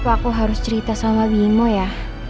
aku harus cerita sama bimo ya